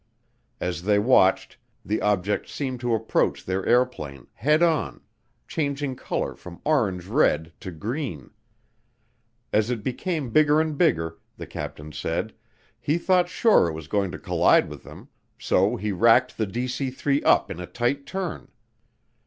As they watched, the object seemed to approach their airplane head on, changing color from orange red to green. As it became bigger and bigger, the captain said, he thought sure it was going to collide with them so he racked the DC 3 up in a tight turn.